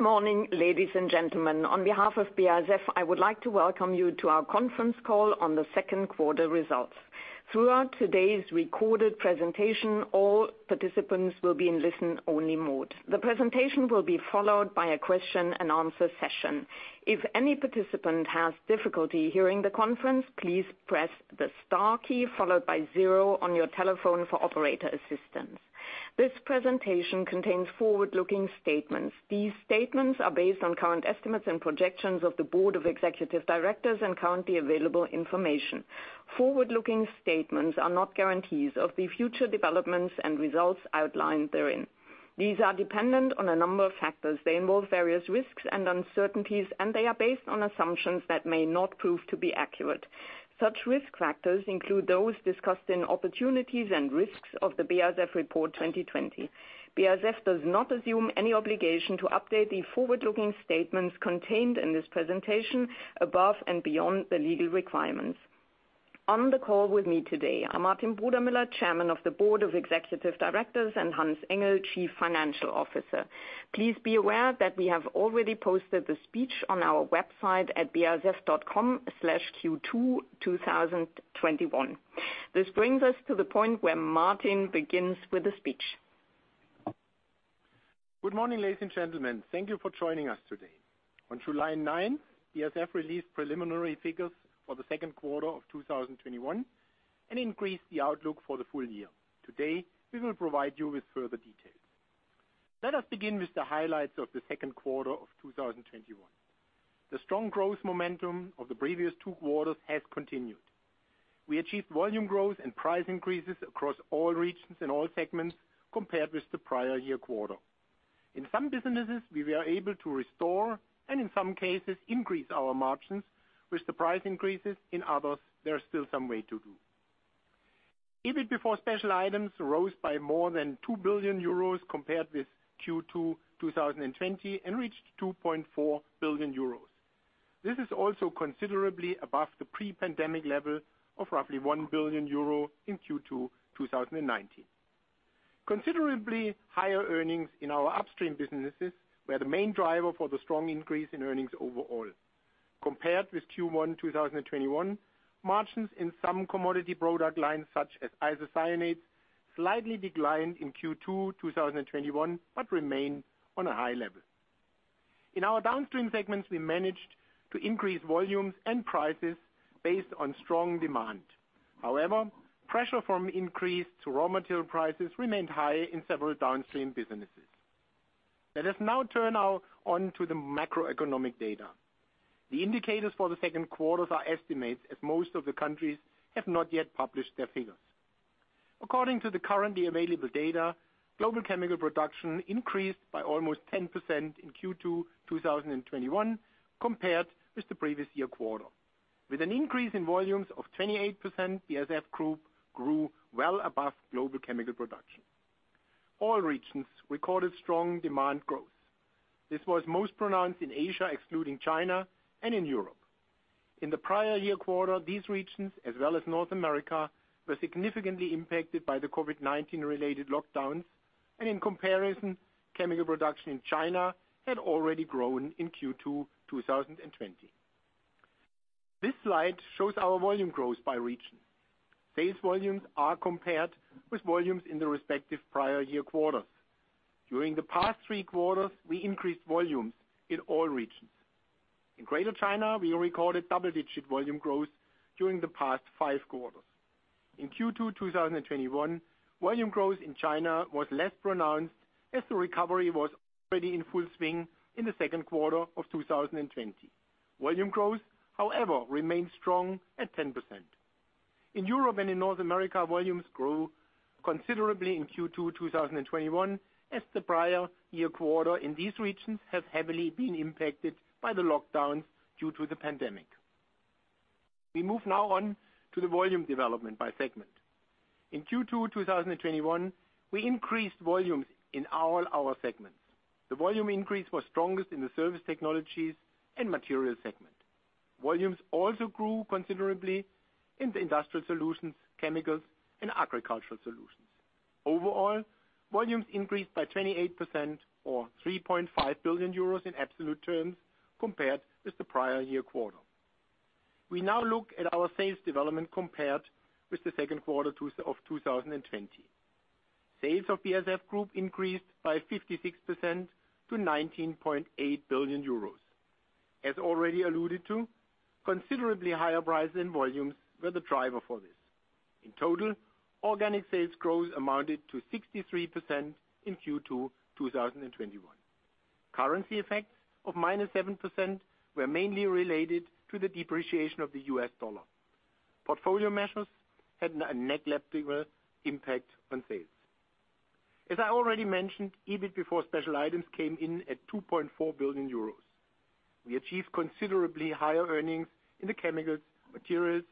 Good morning, ladies and gentlemen. On behalf of BASF, I would like to welcome you to our conference call on the second quarter results. Throughout today's recorded presentation, all participants will be in listen-only mode. The presentation will be followed by a question-and-answer session. If any participant has difficulty hearing the conference, please press the star key followed by zero on your telephone for operator assistance. This presentation contains forward-looking statements. These statements are based on current estimates and projections of the Board of Executive Directors and currently available information. Forward-looking statements are not guarantees of the future developments and results outlined therein. These are dependent on a number of factors. They involve various risks and uncertainties, they are based on assumptions that may not prove to be accurate. Such risk factors include those discussed in opportunities and risks of the BASF Report 2020. BASF does not assume any obligation to update the forward-looking statements contained in this presentation above and beyond the legal requirements. On the call with me today are Martin Brudermüller, Chairman of the Board of Executive Directors, and Hans Engel, Chief Financial Officer. Please be aware that we have already posted the speech on our website at basf.com/q22021. This brings us to the point where Martin begins with the speech. Good morning, ladies and gentlemen. Thank you for joining us today. On July 9th, BASF released preliminary figures for the second quarter of 2021 and increased the outlook for the full year. Today, we will provide you with further details. Let us begin with the highlights of the second quarter of 2021. The strong growth momentum of the previous two quarters has continued. We achieved volume growth and price increases across all regions and all segments compared with the prior year quarter. In some businesses, we were able to restore, and in some cases, increase our margins with the price increases. In others, there are still some way to do. EBIT before special items rose by more than 2 billion euros compared with Q2 2020 and reached 2.4 billion euros. This is also considerably above the pre-pandemic level of roughly 1 billion euro in Q2 2019. Considerably higher earnings in our upstream businesses were the main driver for the strong increase in earnings overall. Compared with Q1 2021, margins in some commodity product lines such as isocyanates slightly declined in Q2 2021, but remain on a high level. In our downstream segments, we managed to increase volumes and prices based on strong demand. However, pressure from increased raw material prices remained high in several downstream businesses. Let us now turn on to the macroeconomic data. The indicators for the second quarter are estimates, as most of the countries have not yet published their figures. According to the currently available data, global chemical production increased by almost 10% in Q2 2021 compared with the previous year quarter. With an increase in volumes of 28%, BASF Group grew well above global chemical production. All regions recorded strong demand growth. This was most pronounced in Asia, excluding China and in Europe. In the prior year quarter, these regions, as well as North America, were significantly impacted by the COVID-19 related lockdowns. In comparison, chemical production in China had already grown in Q2 2020. This slide shows our volume growth by region. Sales volumes are compared with volumes in the respective prior year quarters. During the past three quarters, we increased volumes in all regions. In Greater China, we recorded double-digit volume growth during the past five quarters. In Q2 2021, volume growth in China was less pronounced as the recovery was already in full swing in the second quarter of 2020. Volume growth, however, remained strong at 10%. In Europe and in North America, volumes grew considerably in Q2 2021 as the prior year quarter in these regions have heavily been impacted by the lockdowns due to the pandemic. We move now on to the volume development by segment. In Q2 2021, we increased volumes in all our segments. The volume increase was strongest in the Surface Technologies and Material segment. Volumes also grew considerably in the Industrial Solutions, Chemicals, and Agricultural Solutions. Overall, volumes increased by 28% or 3.5 billion euros in absolute terms compared with the prior year quarter. We now look at our sales development compared with the second quarter of 2020. Sales of BASF Group increased by 56% to 19.8 billion euros. As already alluded to, considerably higher prices and volumes were the driver for this. In total, organic sales growth amounted to 63% in Q2 2021. Currency effects of -7% were mainly related to the depreciation of the U.S. dollar. Portfolio measures had a net negative impact on sales. As I already mentioned, EBIT before special items came in at 2.4 billion euros. We achieved considerably higher earnings in the chemicals, materials,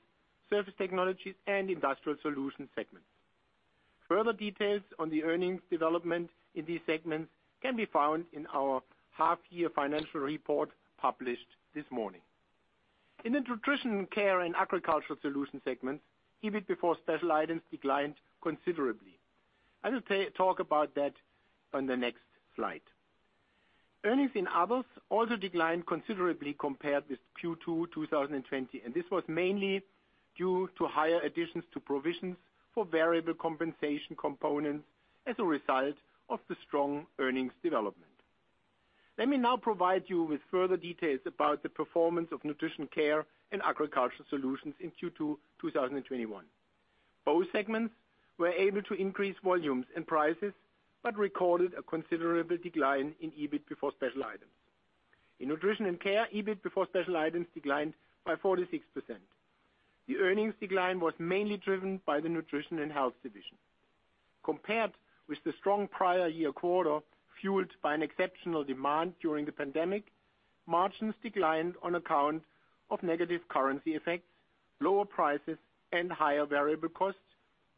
surface technologies, and industrial solutions segments. Further details on the earnings development in these segments can be found in our half-year financial report published this morning. In the Nutrition & Care and Agricultural Solutions segments, EBIT before special items declined considerably. I will talk about that on the next slide. Earnings in others also declined considerably compared with Q2 2020. This was mainly due to higher additions to provisions for variable compensation components as a result of the strong earnings development. Let me now provide you with further details about the performance of Nutrition & Care and Agricultural Solutions in Q2 2021. Both segments were able to increase volumes and prices but recorded a considerable decline in EBIT before special items. In Nutrition & Care, EBIT before special items declined by 46%. The earnings decline was mainly driven by the Nutrition & Health division. Compared with the strong prior year quarter fueled by an exceptional demand during the pandemic, margins declined on account of negative currency effects, lower prices, and higher variable costs,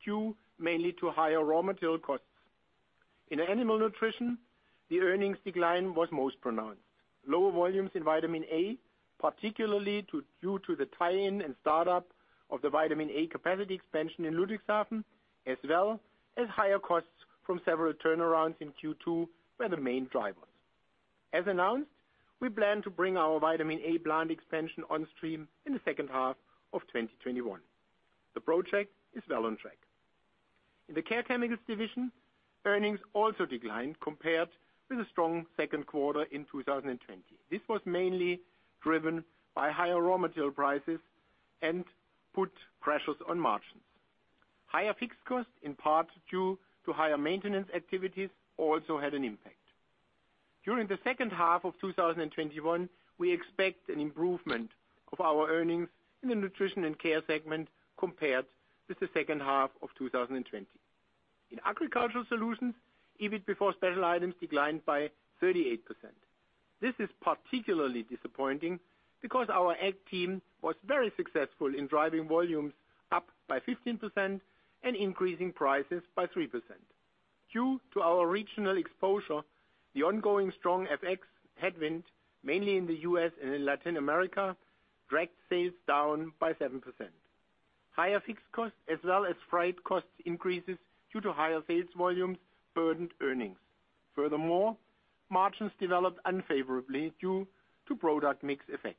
due mainly to higher raw material costs. In animal nutrition, the earnings decline was most pronounced. Lower volumes in Vitamin A, particularly due to the tie-in and startup of the Vitamin A capacity expansion in Ludwigshafen, as well as higher costs from several turnarounds in Q2 were the main drivers. As announced, we plan to bring our Vitamin A plant expansion on stream in the second half of 2021. The project is well on track. In the Care Chemicals division, earnings also declined compared with a strong second quarter in 2020. This was mainly driven by higher raw material prices and put pressures on margins. Higher fixed costs, in part due to higher maintenance activities, also had an impact. During the second half of 2021, we expect an improvement of our earnings in the Nutrition & Care segment compared with the second half of 2020. In Agricultural Solutions, EBIT before special items declined by 38%. This is particularly disappointing because our Ag team was very successful in driving volumes up by 15% and increasing prices by 3%. Due to our regional exposure, the ongoing strong FX headwind, mainly in the U.S. and in Latin America, dragged sales down by 7%. Higher fixed costs as well as freight cost increases due to higher sales volumes burdened earnings. Furthermore, margins developed unfavorably due to product mix effects.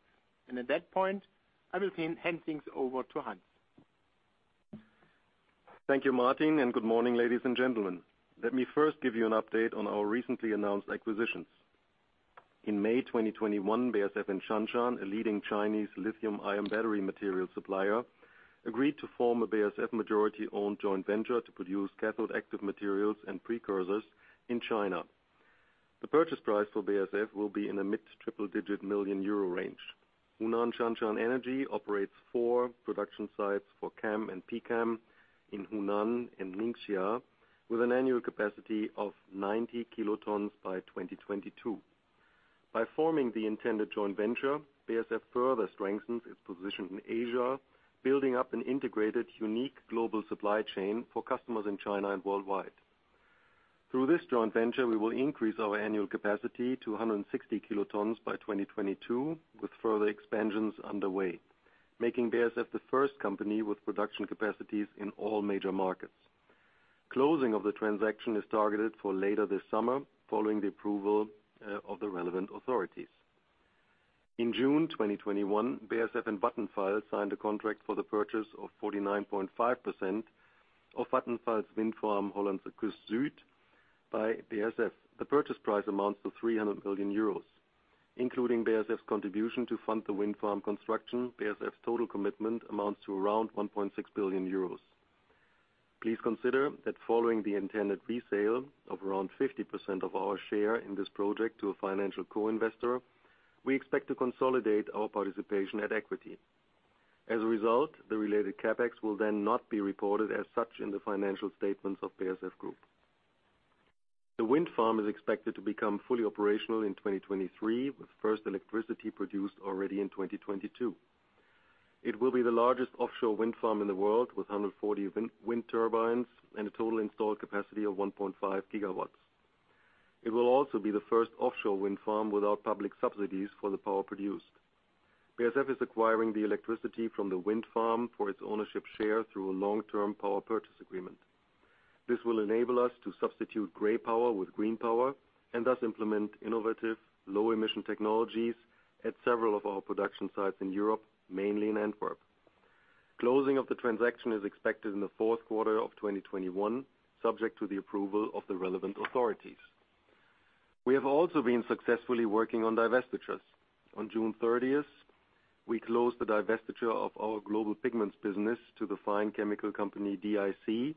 At that point, I will hand things over to Hans. Thank you, Martin. Good morning, ladies and gentlemen. Let me first give you an update on our recently announced acquisitions. In May 2021, BASF and Shanshan, a leading Chinese lithium-ion battery material supplier, agreed to form a BASF majority-owned joint venture to produce cathode active materials and precursors in China. The purchase price for BASF will be in a mid-triple digit million euro range. Hunan Shanshan Energy operates four production sites for CAM and PCAM in Hunan and Ningxia, with an annual capacity of 90 kilotons by 2022. By forming the intended joint venture, BASF further strengthens its position in Asia, building up an integrated, unique global supply chain for customers in China and worldwide. Through this joint venture, we will increase our annual capacity to 160 kilotons by 2022, with further expansions underway, making BASF the first company with production capacities in all major markets. Closing of the transaction is targeted for later this summer, following the approval of the relevant authorities. In June 2021, BASF and Vattenfall signed a contract for the purchase of 49.5% of Vattenfall's Wind Farm Hollandse Kust Zuid by BASF. The purchase price amounts to 300 million euros. Including BASF's contribution to fund the wind farm construction, BASF's total commitment amounts to around 1.6 billion euros. Please consider that following the intended resale of around 50% of our share in this project to a financial co-investor, we expect to consolidate our participation at equity. As a result, the related CapEx will then not be reported as such in the financial statements of BASF Group. The wind farm is expected to become fully operational in 2023, with first electricity produced already in 2022. It will be the largest offshore wind farm in the world, with 140 wind turbines and a total installed capacity of 1.5 GW. It will also be the first offshore wind farm without public subsidies for the power produced. BASF is acquiring the electricity from the wind farm for its ownership share through a long-term power purchase agreement. This will enable us to substitute gray power with green power and thus implement innovative low-emission technologies at several of our production sites in Europe, mainly in Antwerp. Closing of the transaction is expected in the fourth quarter of 2021, subject to the approval of the relevant authorities. We have also been successfully working on divestitures. On June 30th, we closed the divestiture of our global pigments business to the fine chemical company DIC,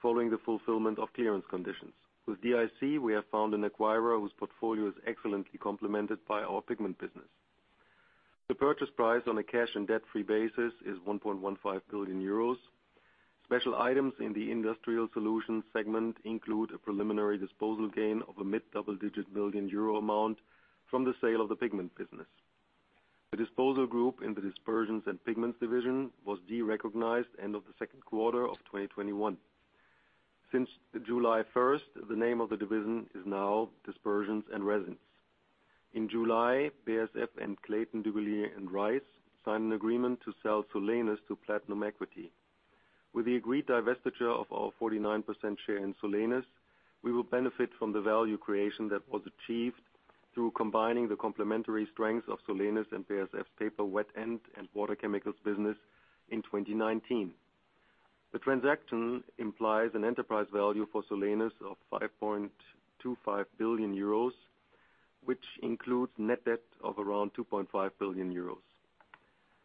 following the fulfillment of clearance conditions. With DIC, we have found an acquirer whose portfolio is excellently complemented by our pigment business. The purchase price on a cash and debt-free basis is 1.15 billion euros. Special items in the Industrial Solutions segment include a preliminary disposal gain of a mid-double digit billion euro amount from the sale of the pigment business. The disposal group in the Dispersions & Pigments division was derecognized end of the second quarter of 2021. Since July 1st, the name of the division is now Dispersions & Resins. In July, BASF and Clayton, Dubilier & Rice signed an agreement to sell Solenis to Platinum Equity. With the agreed divestiture of our 49% share in Solenis, we will benefit from the value creation that was achieved through combining the complementary strengths of Solenis and BASF's Paper Wet End and Water Chemicals business in 2019. The transaction implies an enterprise value for Solenis of 5.25 billion euros, which includes net debt of around 2.5 billion euros.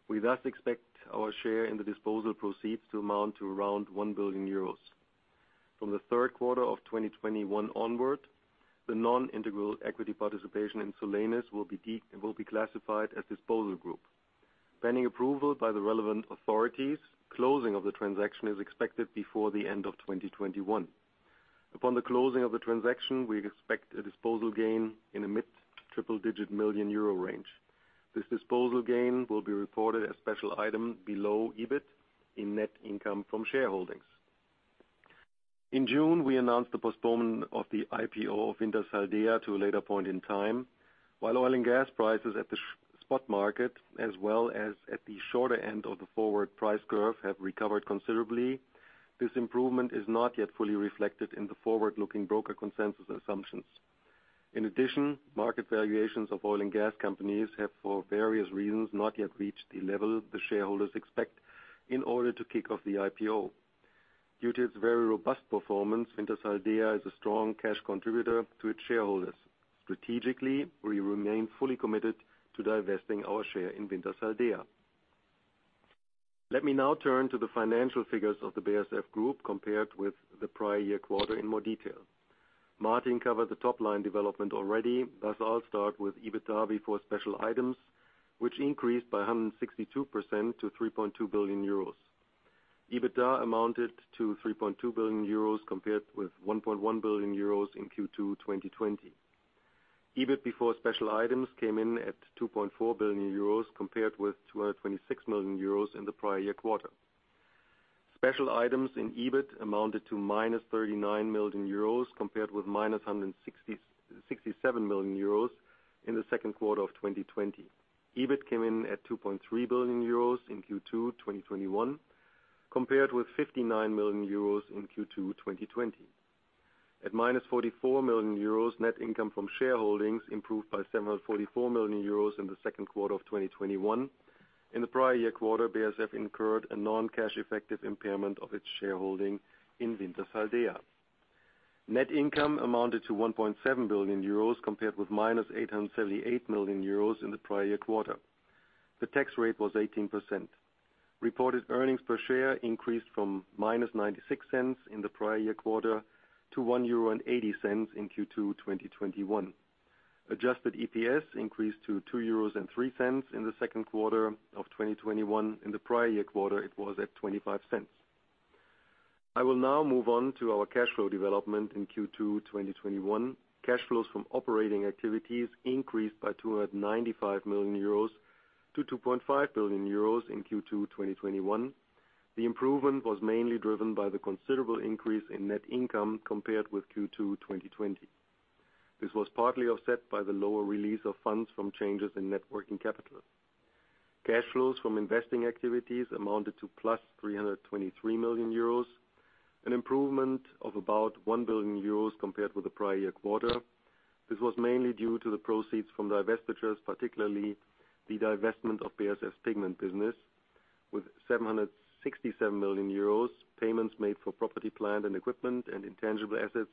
We thus expect our share in the disposal proceeds to amount to around 1 billion euros. From the third quarter of 2021 onward, the non-integral equity participation in Solenis will be classified as disposal group. Pending approval by the relevant authorities, closing of the transaction is expected before the end of 2021. Upon the closing of the transaction, we expect a disposal gain in a EUR mid-triple digit million range. This disposal gain will be reported as special item below EBIT in net income from shareholdings. In June, we announced the postponement of the IPO of Wintershall Dea to a later point in time. Oil and gas prices at the spot market, as well as at the shorter end of the forward price curve have recovered considerably, this improvement is not yet fully reflected in the forward-looking broker consensus assumptions. Market valuations of oil and gas companies have, for various reasons, not yet reached the level the shareholders expect in order to kick off the IPO. Due to its very robust performance, Wintershall Dea is a strong cash contributor to its shareholders. Strategically, we remain fully committed to divesting our share in Wintershall Dea. Let me now turn to the financial figures of the BASF Group, compared with the prior year quarter in more detail. Martin covered the top-line development already. I'll start with EBITDA before special items, which increased by 162% to 3.2 billion euros. EBITDA amounted to 3.2 billion euros compared with 1.1 billion euros in Q2 2020. EBIT before special items came in at 2.4 billion euros compared with 226 million euros in the prior year quarter. Special items in EBIT amounted to -39 million euros, compared with -167 million euros in the second quarter of 2020. EBIT came in at 2.3 billion euros in Q2 2021, compared with 59 million euros in Q2 2020. At -44 million euros, net income from shareholdings improved by 744 million euros in the second quarter of 2021. In the prior year quarter, BASF incurred a non-cash effective impairment of its shareholding in Wintershall Dea. Net income amounted to 1.7 billion euros, compared with -878 million euros in the prior year quarter. The tax rate was 18%. Reported earnings per share increased from -0.96 in the prior year quarter to 1.80 euro in Q2 2021. Adjusted EPS increased to 2.03 euros in the second quarter of 2021. In the prior year quarter, it was at 0.25. I will now move on to our cash flow development in Q2 2021. Cash flows from operating activities increased by 295 million euros to 2.5 billion euros in Q2 2021. The improvement was mainly driven by the considerable increase in net income compared with Q2 2020. This was partly offset by the lower release of funds from changes in net working capital. Cash flows from investing activities amounted to +323 million euros, an improvement of about 1 billion euros compared with the prior year quarter. This was mainly due to the proceeds from divestitures, particularly the divestment of BASF's pigment business. With 767 million euros, payments made for property, plant, and equipment and intangible assets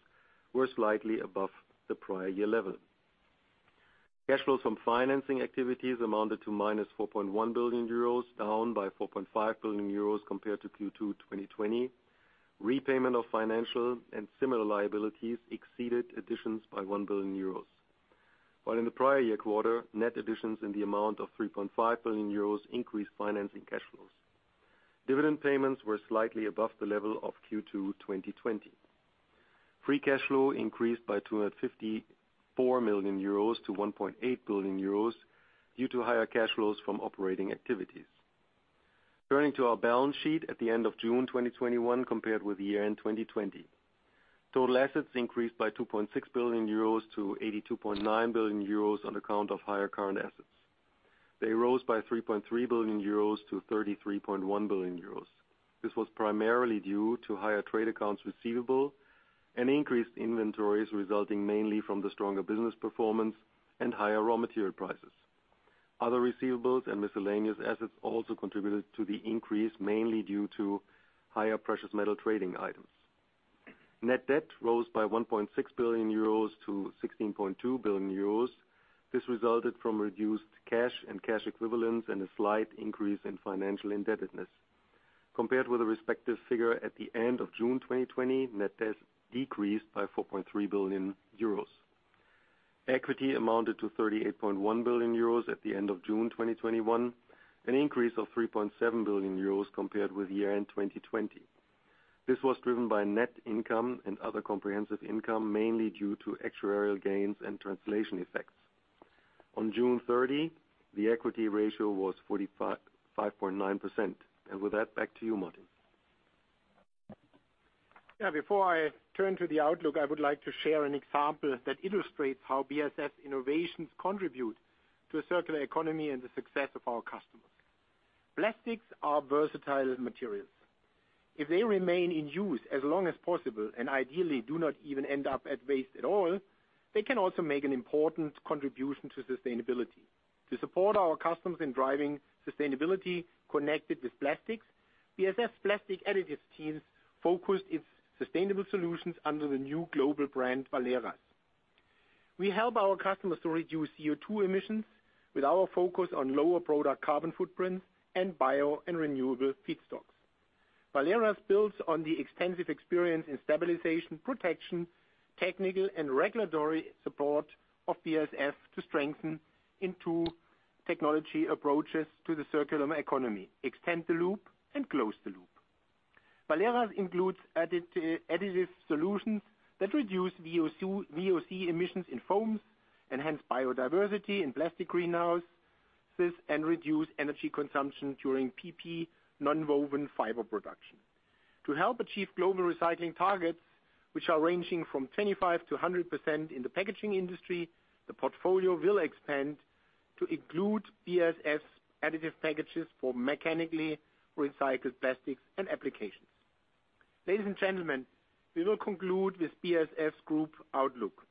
were slightly above the prior year level. Cash flows from financing activities amounted to -4.1 billion euros, down by 4.5 billion euros compared to Q2 2020. Repayment of financial and similar liabilities exceeded additions by 1 billion euros. While in the prior year quarter, net additions in the amount of 3.5 billion euros increased financing cash flows. Dividend payments were slightly above the level of Q2 2020. Free cash flow increased by 254 million euros to 1.8 billion euros due to higher cash flows from operating activities. Turning to our balance sheet at the end of June 2021 compared with year-end 2020. Total assets increased by 2.6 billion euros to 82.9 billion euros on account of higher current assets. They rose by 3.3 billion euros to 33.1 billion euros. This was primarily due to higher trade accounts receivable and increased inventories resulting mainly from the stronger business performance and higher raw material prices. Other receivables and miscellaneous assets also contributed to the increase, mainly due to higher precious metal trading items. Net debt rose by 1.6 billion euros to 16.2 billion euros. This resulted from reduced cash and cash equivalents and a slight increase in financial indebtedness. Compared with the respective figure at the end of June 2020, net debt decreased by 4.3 billion euros. Equity amounted to 38.1 billion euros at the end of June 2021, an increase of 3.7 billion euros compared with year-end 2020. This was driven by net income and other comprehensive income, mainly due to actuarial gains and translation effects. On June 30, the equity ratio was 45.9%. With that, back to you, Martin. Before I turn to the outlook, I would like to share an example that illustrates how BASF innovations contribute to a circular economy and the success of our customers. Plastics are versatile materials. If they remain in use as long as possible, and ideally do not even end up as waste at all, they can also make an important contribution to sustainability. To support our customers in driving sustainability connected with plastics, BASF's plastic additives teams focused its sustainable solutions under the new global brand, VALERAS. We help our customers to reduce CO2 emissions with our focus on lower product carbon footprints and bio and renewable feedstocks. VALERAS builds on the extensive experience in stabilization protection, technical and regulatory support of BASF to strengthen in two technology approaches to the circular economy, extend the loop and close the loop. VALERAS includes additive solutions that reduce VOC emissions in foams, enhance biodiversity in plastic greenhouses, and reduce energy consumption during PP nonwoven fiber production. To help achieve global recycling targets, which are ranging from 25% to 100% in the packaging industry, the portfolio will expand to include BASF additive packages for mechanically recycled plastics and applications. Ladies and gentlemen, we will conclude with BASF Group outlook.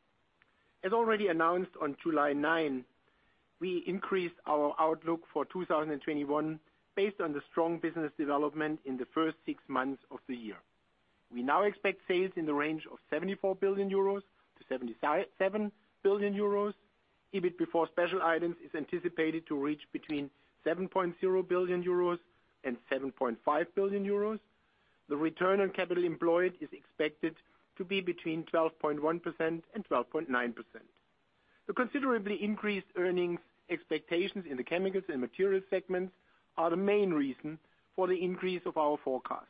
As already announced on July 9, we increased our outlook for 2021 based on the strong business development in the first six months of the year. We now expect sales in the range of 74 billion-77 billion euros. EBIT before special items is anticipated to reach between 7.0 billion euros and 7.5 billion euros. The return on capital employed is expected to be between 12.1% and 12.9%. The considerably increased earnings expectations in the chemicals and materials segments are the main reason for the increase of our forecast.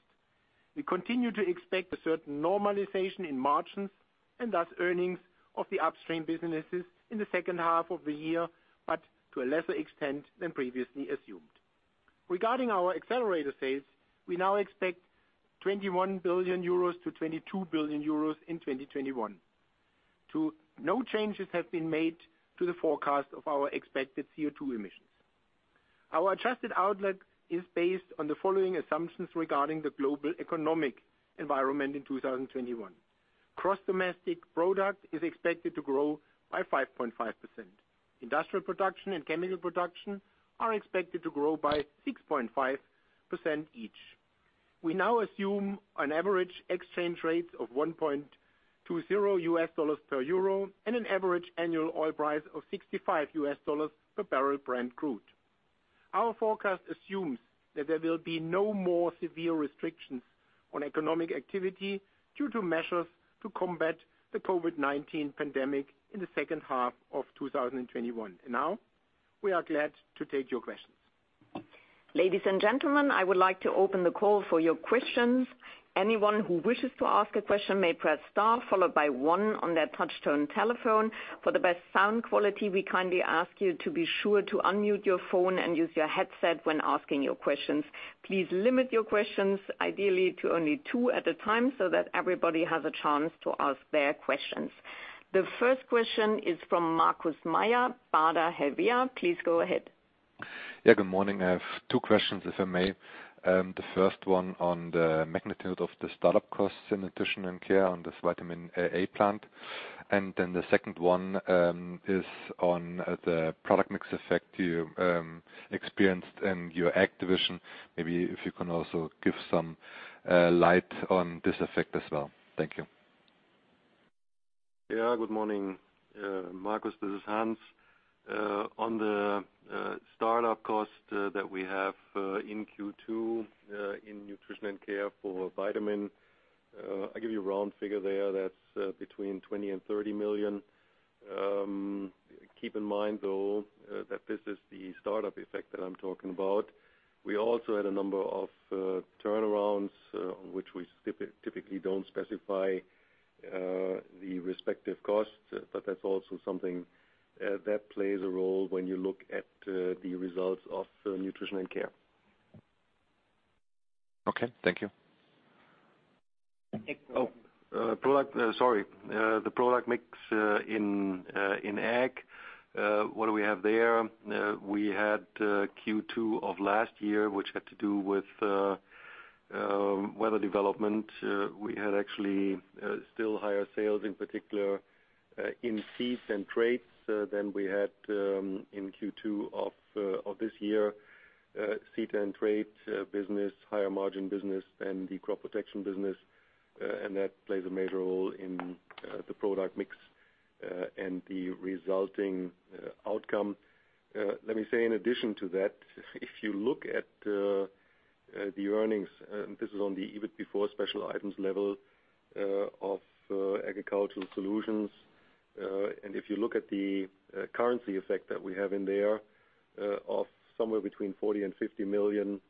We continue to expect a certain normalization in margins, and thus earnings of the upstream businesses in the second half of the year, but to a lesser extent than previously assumed. Regarding our accelerator sales, we now expect 21 billion-22 billion euros in 2021. No changes have been made to the forecast of our expected CO2 emissions. Our adjusted outlet is based on the following assumptions regarding the global economic environment in 2021. Gross domestic product is expected to grow by 5.5%. Industrial production and chemical production are expected to grow by 6.5% each. We now assume an average exchange rate of $1.20 per euro and an average annual oil price of $65 per barrel Brent crude. Our forecast assumes that there will be no more severe restrictions on economic activity due to measures to combat the COVID-19 pandemic in the second half of 2021. Now, we are glad to take your questions. Ladies and gentlemen, I would like to open the call for your questions. Anyone who wishes to ask a question may press star, followed by one on their touch-tone telephone. For the best sound quality, we kindly ask you to be sure to unmute your phone and use your headset when asking your questions. Please limit your questions ideally to only two at a time so that everybody has a chance to ask their questions. The first question is from Markus Mayer, Baader-Helvea. Please go ahead. Yeah, good morning. I have two questions, if I may. The first one on the magnitude of the startup costs in Nutrition & Care on this vitamin A plant. The second one is on the product mix effect you experienced in your Ag division. Maybe if you can also give some light on this effect as well. Thank you. Yeah. Good morning, Markus. This is Hans. On the startup cost that we have in Q2 in Nutrition & Care for vitamin, I give you a round figure there, that's between 20 million and 30 million. Keep in mind, though, that this is the startup effect that I'm talking about. We also had a number of turnarounds, which we typically don't specify the respective costs, but that's also something that plays a role when you look at the results of Nutrition & Care. Okay, thank you. Oh, sorry. The product mix in Ag, what do we have there? We had Q2 of last year, which had to do with weather development. We had actually still higher sales, in particular in seeds and traits than we had in Q2 of this year. Seed and trait business, higher margin business than the crop protection business, that plays a major role in the product mix and the resulting outcome. Let me say, in addition to that, if you look at the earnings, this is on the EBIT before special items level of Agricultural Solutions. If you look at the currency effect that we have in there somewhere between 40 million and 50 million.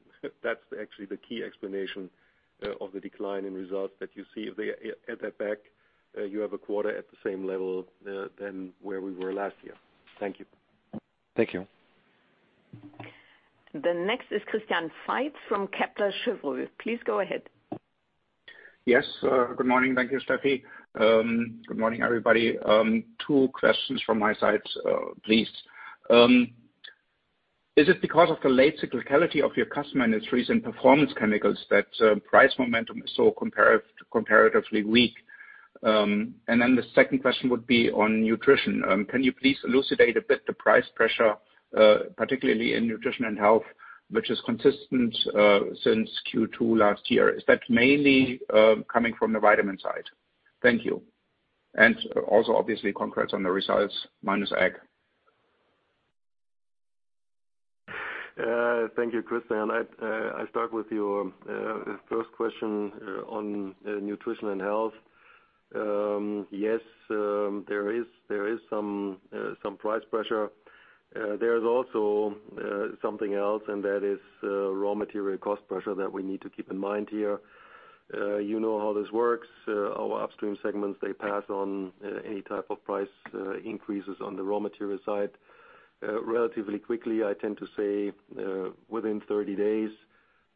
That's actually the key explanation of the decline in results that you see there at the back. You have a quarter at the same level than where we were last year. Thank you. Thank you. The next is Christian Faitz from Kepler Cheuvreux. Please go ahead. Yes. Good morning. Thank you, Steffi. Good morning, everybody. Two questions from my side, please. Is it because of the late cyclicality of your customer industries and Performance Chemicals that price momentum is so comparatively weak? The second question would be on nutrition. Can you please elucidate a bit the price pressure, particularly in Nutrition & Health, which is consistent since Q2 last year. Is that mainly coming from the vitamin side? Thank you. Also obviously congrats on the results, minus Ag. Thank you, Christian. I start with your first question on Nutrition & Health. Yes, there is some price pressure. There is also something else. That is raw material cost pressure that we need to keep in mind here. You know how this works. Our upstream segments, they pass on any type of price increases on the raw material side relatively quickly, I tend to say within 30 days.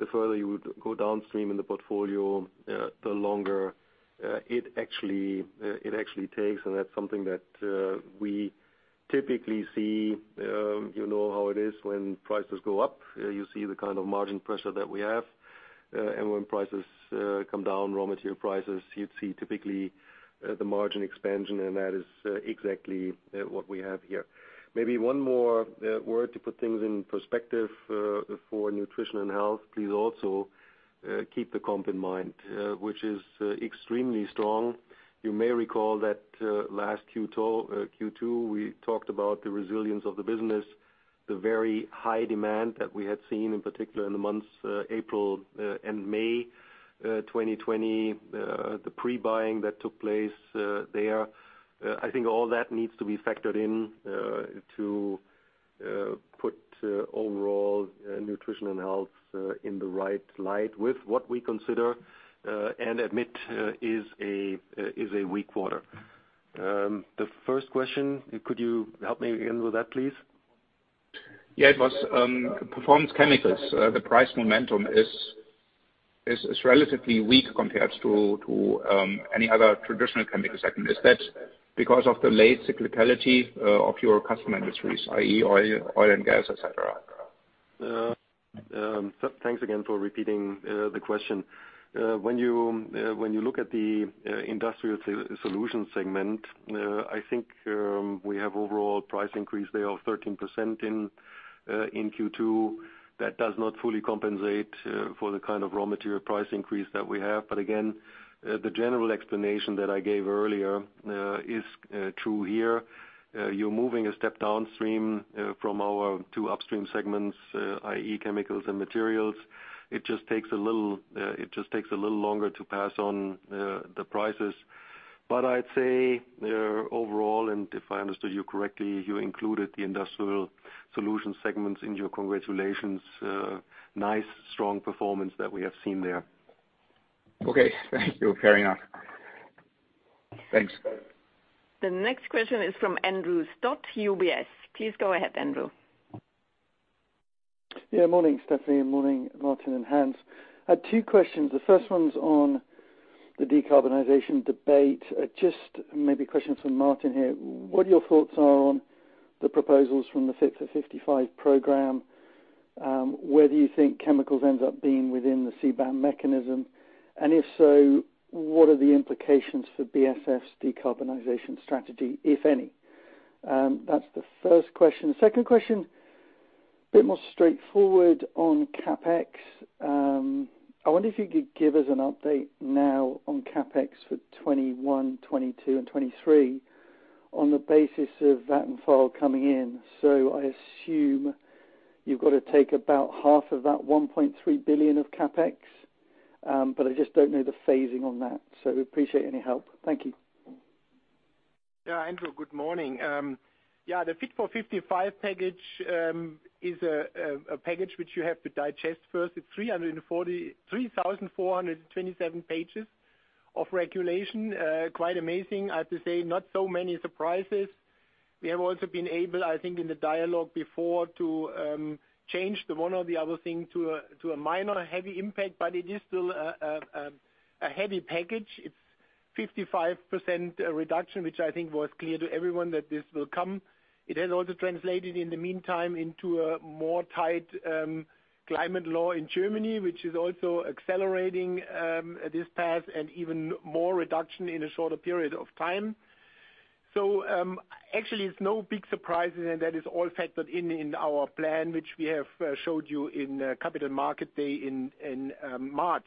The further you go downstream in the portfolio, the longer it actually takes. That's something that we typically see. You know how it is when prices go up, you see the kind of margin pressure that we have. When prices come down, raw material prices, you'd see typically the margin expansion. That is exactly what we have here. Maybe one more word to put things in perspective for Nutrition & Health. Please also keep the comp in mind, which is extremely strong. You may recall that last Q2, we talked about the resilience of the business, the very high demand that we had seen, in particular in the months April and May 2020, the pre-buying that took place there. I think all that needs to be factored in to put overall Nutrition & Health in the right light with what we consider and admit is a weak quarter. The first question, could you help me again with that, please? Yeah, it was Performance Chemicals. The price momentum is relatively weak compared to any other traditional chemicals segment. Is that because of the late cyclicality of your customer industries, i.e. oil and gas, et cetera? Thanks again for repeating the question. When you look at the Industrial Solutions segment, I think we have overall price increase there of 13% in Q2. That does not fully compensate for the kind of raw material price increase that we have. Again, the general explanation that I gave earlier is true here. You're moving a step downstream from our two upstream segments, i.e. chemicals and materials. It just takes a little longer to pass on the prices. I'd say overall, and if I understood you correctly, you included the Industrial Solutions segments in your congratulations. Nice strong performance that we have seen there. Okay. Thank you. Fair enough. Thanks. The next question is from Andrew Stott, UBS. Please go ahead, Andrew. Yeah, morning, Stefanie. Morning, Martin and Hans. I had two questions. The first one's on the decarbonization debate. Just maybe a question for Martin here. What are your thoughts are on the proposals from the Fit for 55 program? Where do you think chemicals ends up being within the CBAM mechanism? If so, what are the implications for BASF's decarbonization strategy, if any? That's the first question. Second question, a bit more straightforward on CapEx. I wonder if you could give us an update now on CapEx for 2021, 2022, and 2023 on the basis of Vattenfall coming in. I assume you've got to take about half of that 1.3 billion of CapEx, but I just don't know the phasing on that, so appreciate any help. Thank you. Andrew, good morning. The Fit for 55 package is a package which you have to digest first. It's 3,427 pages of regulation. Quite amazing. I have to say, not so many surprises. We have also been able, I think, in the dialogue before, to change the one or the other thing to a minor, heavy impact, but it is still a heavy package. It's 55% reduction, which I think was clear to everyone that this will come. It has also translated in the meantime into a more tight climate law in Germany, which is also accelerating this path and even more reduction in a shorter period of time. Actually, it's no big surprise, and that is all factored in in our plan, which we have showed you in Capital Market Day in March.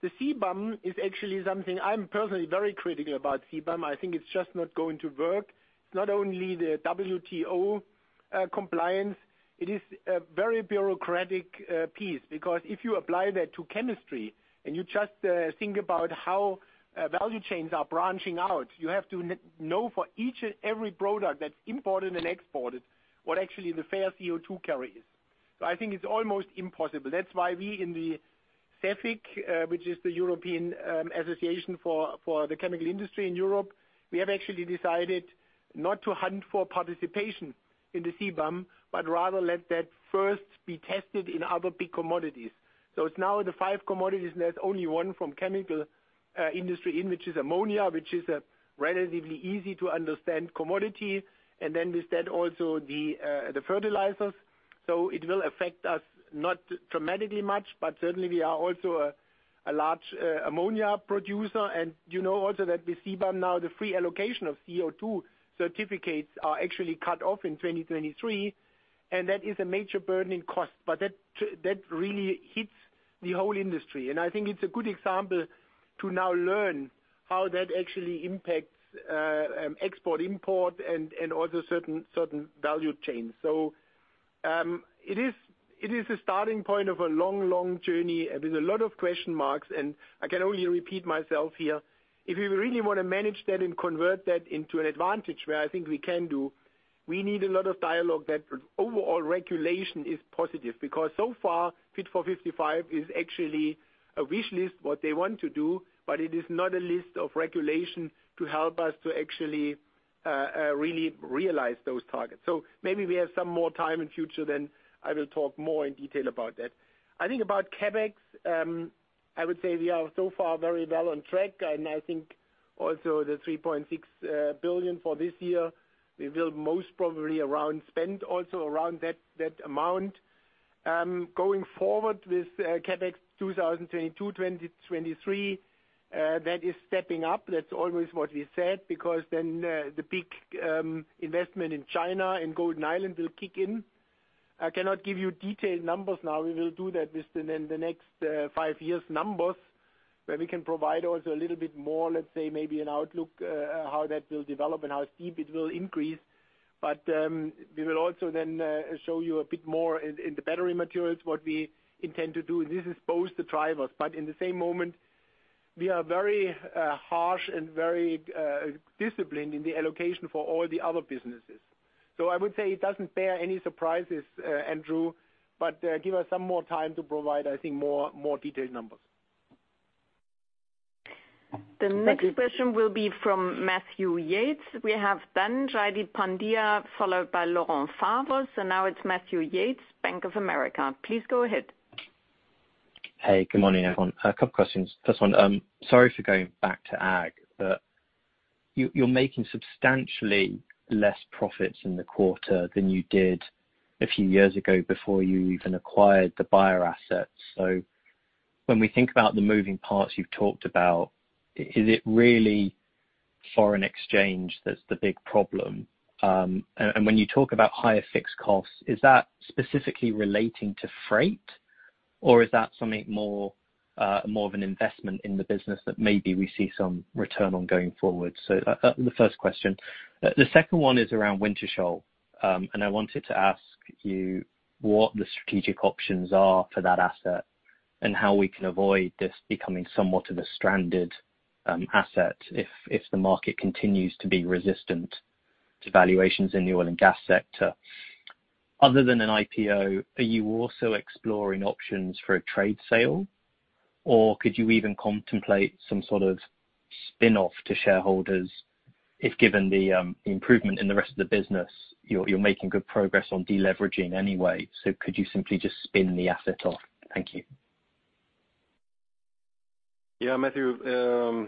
The CBAM is actually something I'm personally very critical about CBAM. I think it's just not going to work. It's not only the WTO compliance, it is a very bureaucratic piece because if you apply that to chemistry and you just think about how value chains are branching out, you have to know for each and every product that's imported and exported, what actually the fair CO2 carry is. I think it's almost impossible. That's why we in the Cefic, which is the European Association for the Chemical Industry in Europe, have actually decided not to hunt for participation in the CBAM, but rather let that first be tested in other big commodities. It's now the five commodities, and there's only one from chemical industry, which is ammonia, which is a relatively easy-to-understand commodity. With that also the fertilizers. It will affect us not dramatically much, but certainly we are also a large ammonia producer, and you know also that with CBAM now the free allocation of CO2 certificates are actually cut off in 2023, and that is a major burden in cost. That really hits the whole industry. I think it's a good example to now learn how that actually impacts export, import, and also certain value chains. It is the starting point of a long journey, and there's a lot of question marks, and I can only repeat myself here. If we really want to manage that and convert that into an advantage, where I think we can do, we need a lot of dialogue that overall regulation is positive. So far Fit for 55 is actually a wish list, what they want to do, but it is not a list of regulations to help us to actually really realize those targets. Maybe we have some more time in future, then I will talk more in detail about that. I think about CapEx, I would say we are so far very well on track, and I think also the 3.6 billion for this year, we will most probably around spend also around that amount. Going forward with CapEx 2022, 2023, that is stepping up. That's always what we said, because then the big investment in China and Zhanjiang will kick in. I cannot give you detailed numbers now. We will do that with the next five years numbers, where we can provide also a little bit more, let's say maybe an outlook, how that will develop and how steep it will increase. We will also then show you a bit more in the battery materials, what we intend to do, and this is both the drivers. In the same moment, we are very harsh and very disciplined in the allocation for all the other businesses. I would say it doesn't bear any surprises, Andrew, but give us some more time to provide, I think more detailed numbers. The next question will be from Matthew Yates. We have then Jaideep Pandya, followed by Laurent Favre, and now it's Matthew Yates, Bank of America. Please go ahead. Hey, good morning, everyone. Two questions. First one, sorry for going back to Ag, but you're making substantially less profits in the quarter than you did a few years ago before you even acquired the Bayer assets. When we think about the moving parts you've talked about, is it really foreign exchange that's the big problem? When you talk about higher fixed costs, is that specifically relating to freight, or is that something more of an investment in the business that maybe we see some return on going forward? The first question. The second one is around Wintershall. I wanted to ask you what the strategic options are for that asset and how we can avoid this becoming somewhat of a stranded asset if the market continues to be resistant to valuations in the oil and gas sector. Other than an IPO, are you also exploring options for a trade sale, or could you even contemplate some sort of spin-off to shareholders if, given the improvement in the rest of the business, you're making good progress on deleveraging anyway? Could you simply just spin the asset off? Thank you. Matthew,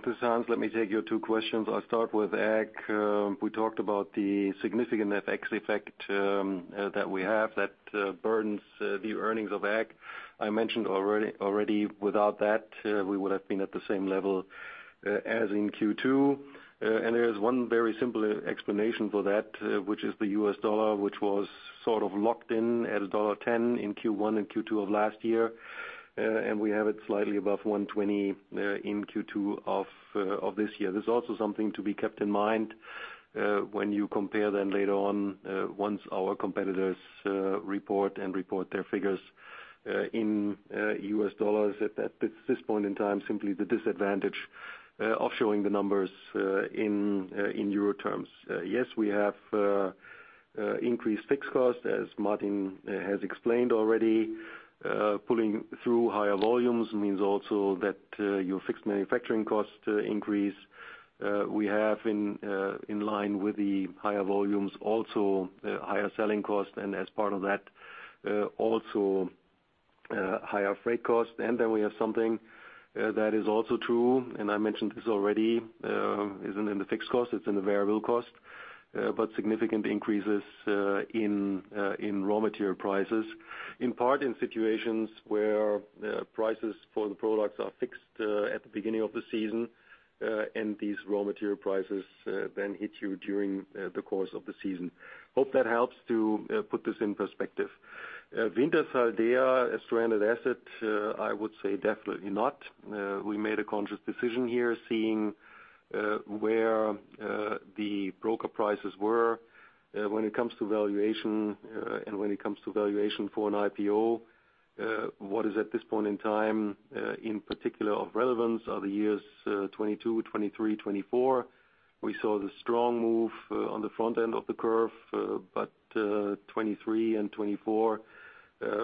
this is Hans, let me take your two questions. I'll start with Ag. We talked about the significant FX effect that we have that burdens the earnings of Ag. I mentioned already, without that, we would have been at the same level as in Q2. There is one very simple explanation for that, which is the U.S. dollar, which was locked in at $1.10 in Q1 and Q2 of last year. We have it slightly above $1.20 in Q2 of this year. There's also something to be kept in mind, when you compare then later on, once our competitors report and report their figures, in U.S. dollars at this point in time, simply the disadvantage of showing the numbers in euro terms. Yes, we have increased fixed costs, as Martin has explained already. Pulling through higher volumes means also that your fixed manufacturing costs increase. We have in line with the higher volumes also, higher selling costs and as part of that, also higher freight costs. Then we have something that is also true, and I mentioned this already, isn't in the fixed cost, it's in the variable cost, but significant increases in raw material prices. In part in situations where prices for the products are fixed at the beginning of the season, and these raw material prices then hit you during the course of the season. Hope that helps to put this in perspective. Wintershall Dea, they are a stranded asset, I would say definitely not. We made a conscious decision here, seeing where the broker prices were, when it comes to valuation and when it comes to valuation for an IPO, what is at this point in time, in particular of relevance are the years 2022, 2023, 2024. We saw the strong move on the front end of the curve, but 2023 and 2024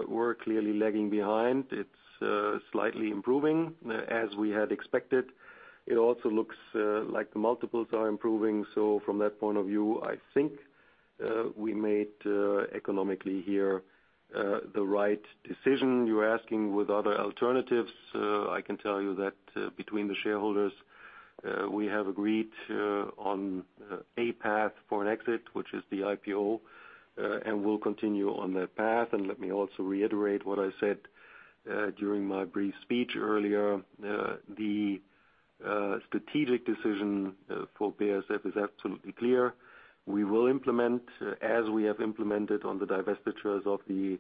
were clearly lagging behind. It's slightly improving as we had expected. It also looks like the multiples are improving. From that point of view, I think we made economically here the right decision. You're asking with other alternatives, I can tell you that between the shareholders, we have agreed on a path for an exit, which is the IPO, and we'll continue on that path. Let me also reiterate what I said during my brief speech earlier. The strategic decision for BASF is absolutely clear. We will implement as we have implemented on the divestitures of the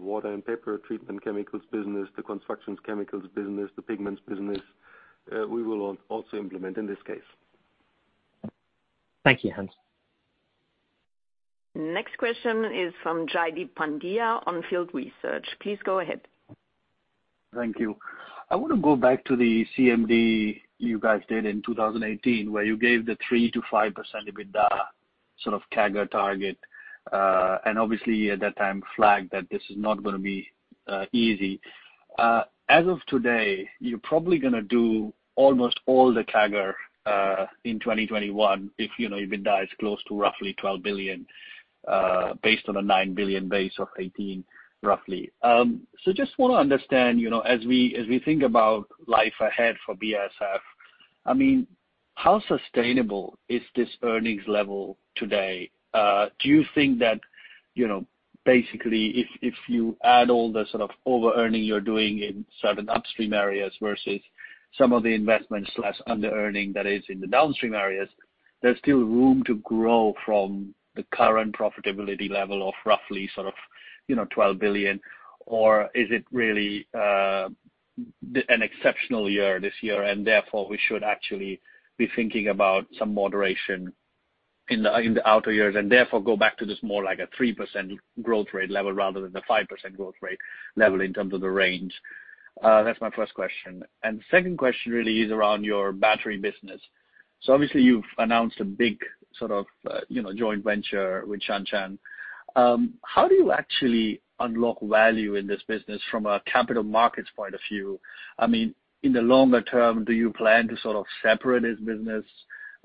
water and paper treatment chemicals business, the constructions chemicals business, the pigments business. We will also implement in this case. Thank you, Hans. Next question is from Jaideep Pandya On Field Research. Please go ahead. Thank you. I want to go back to the CMD you guys did in 2018, where you gave the 3%-5% EBITDA sort of CAGR target. Obviously at that time flagged that this is not going to be easy. As of today, you're probably going to do almost all the CAGR, in 2021 if your EBITDA is close to roughly 12 billion, based on a 9 billion base of 2018, roughly. Just want to understand, as we think about life ahead for BASF, how sustainable is this earnings level today? Do you think that, basically if you add all the sort of over-earning you're doing in certain upstream areas versus some of the investments/under-earning that is in the downstream areas, there's still room to grow from the current profitability level of roughly sort of 12 billion? Is it really an exceptional year this year and therefore we should actually be thinking about some moderation in the outer years and therefore go back to this more like a 3% growth rate level rather than the 5% growth rate level in terms of the range? That's my first question. The second question really is around your battery business. Obviously you've announced a big joint venture with Shanshan. How do you actually unlock value in this business from a capital markets point of view? In the longer term, do you plan to sort of separate this business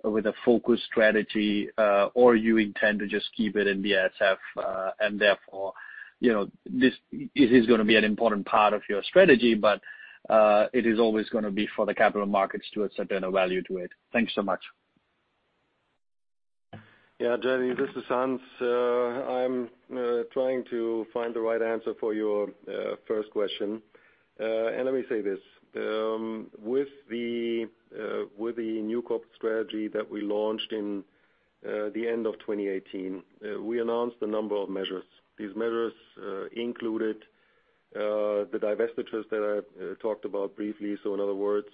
with a focus strategy? You intend to just keep it in BASF, and therefore, this is going to be an important part of your strategy, but it is always going to be for the capital markets to ascertain a value to it. Thanks so much. Yeah, Jaideep, this is Hans. I'm trying to find the right answer for your first question. Let me say this. With the new corp strategy that we launched in the end of 2018, we announced a number of measures. These measures included the divestitures that I talked about briefly. In other words,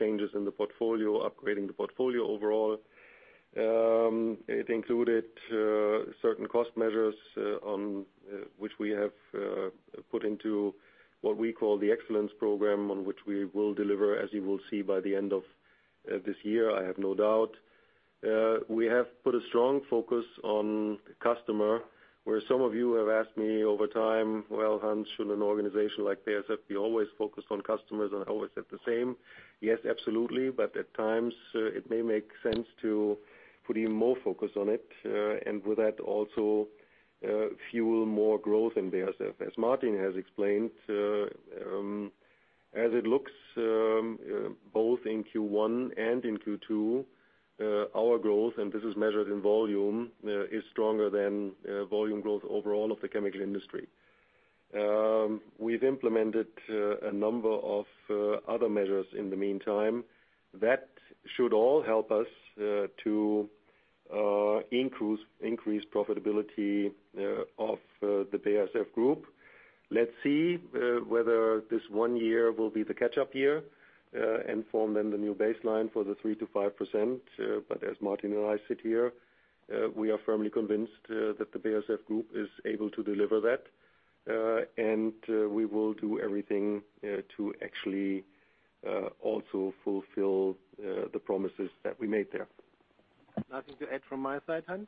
changes in the portfolio, upgrading the portfolio overall. It included certain cost measures on which we have put into what we call the Excellence Program, on which we will deliver, as you will see by the end of this year, I have no doubt. We have put a strong focus on the customer, where some of you have asked me over time, "Well, Hans, should an organization like BASF be always focused on customers?" I always said the same, "Yes, absolutely. But at times it may make sense to put even more focus on it. With that, also fuel more growth in BASF. As Martin has explained, as it looks both in Q1 and in Q2, our growth, and this is measured in volume, is stronger than volume growth overall of the chemical industry. We've implemented a number of other measures in the meantime that should all help us to increase profitability of the BASF Group. Let's see whether this one year will be the catch-up year and form then the new baseline for the 3%-5%. As Martin and I sit here, we are firmly convinced that the BASF Group is able to deliver that. We will do everything to actually also fulfill the promises that we made there. Nothing to add from my side, Hans.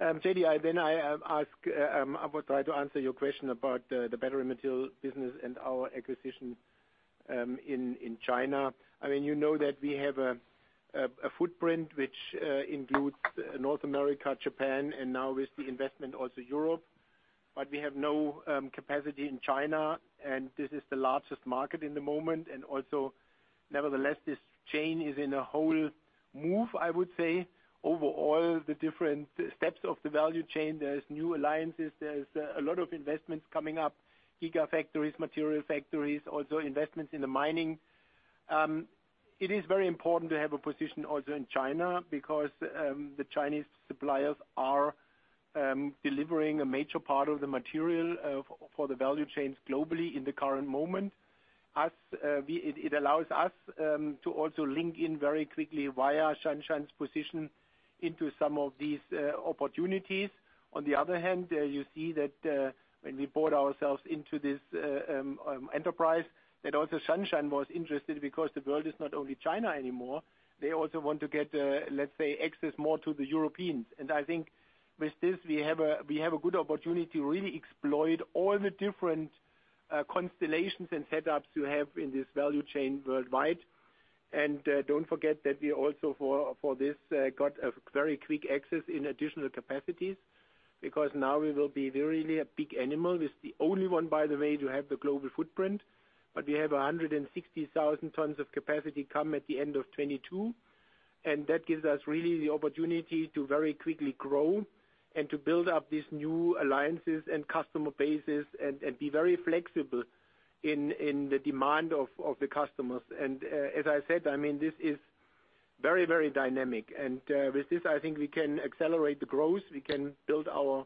Jaideep, I will try to answer your question about the battery material business and our acquisition in China. You know that we have a footprint which includes North America, Japan, and now with the investment also Europe. We have no capacity in China, and this is the largest market in the moment. Nevertheless, this chain is in a whole move, I would say, overall the different steps of the value chain. There is new alliances. There is a lot of investments coming up, gigafactories, material factories, also investments in the mining. It is very important to have a position also in China because the Chinese suppliers are delivering a major part of the material for the value chains globally in the current moment. It allows us to also link in very quickly via Shanshan's position into some of these opportunities. You see that when we bought ourselves into this enterprise, that also Shanshan was interested because the world is not only China anymore. They also want to get, let's say, access more to the Europeans. I think with this, we have a good opportunity to really exploit all the different constellations and setups you have in this value chain worldwide. Don't forget that we also, for this, got a very quick access in additional capacities because now we will be really a big animal. It's the only one, by the way, to have the global footprint. We have 160,000 tons of capacity come at the end of 2022. That gives us really the opportunity to very quickly grow and to build up these new alliances and customer bases and be very flexible in the demand of the customers. As I said, this is very dynamic. With this, I think we can accelerate the growth, we can build our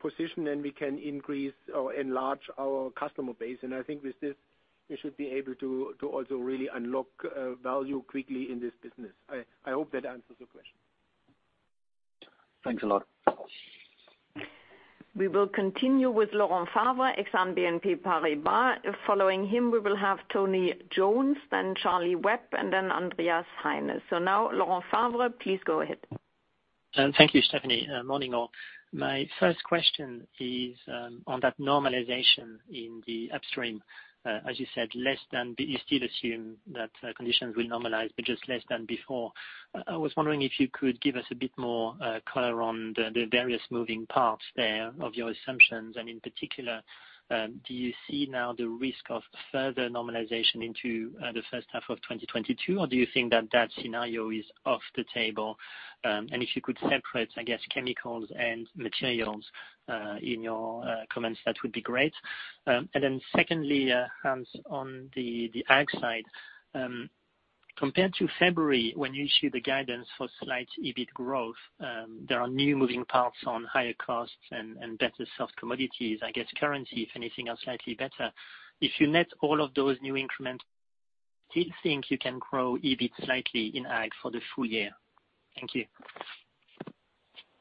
position, and we can increase or enlarge our customer base. I think with this, we should be able to also really unlock value quickly in this business. I hope that answers your question. Thanks a lot. We will continue with Laurent Favre, Exane BNP Paribas. Following him, we will have Tony Jones, then Charlie Webb, and then Andreas Heine. Now, Laurent Favre, please go ahead. Thank you, Stefanie. Morning, all. My first question is on that normalization in the upstream. As you said, you still assume that conditions will normalize, but just less than before. I was wondering if you could give us a bit more color on the various moving parts there of your assumptions. In particular, do you see now the risk of further normalization into the first half of 2022, or do you think that that scenario is off the table? If you could separate, I guess, chemicals and materials in your comments, that would be great. Secondly, Hans, on the Ag side. Compared to February, when you issued the guidance for slight EBIT growth, there are new moving parts on higher costs and better soft commodities. I guess currency, if anything, are slightly better. If you net all of those new increments, do you think you can grow EBIT slightly in Ag for the full year? Thank you.